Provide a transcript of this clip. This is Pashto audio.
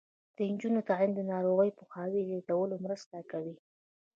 د نجونو تعلیم د ناروغیو پوهاوي زیاتولو مرسته کوي.